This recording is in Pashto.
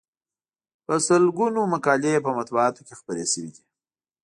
په سلګونو مقالې یې په مطبوعاتو کې خپرې شوې دي.